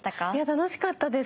楽しかったです！